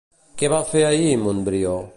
Què va fer ahir, Montbrió?